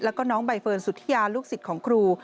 แล้วก็น้องใบเฟิร์นสุธิยาลูกศิษย์ของครู